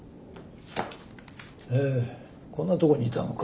へえこんなとこにいたのか。